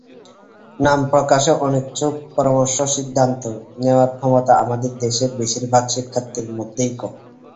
নাম প্রকাশে অনিচ্ছুকপরামর্শসিদ্ধান্ত নেওয়ার ক্ষমতা আমাদের দেশের বেশির ভাগ শিক্ষার্থীর মধ্যেই কম।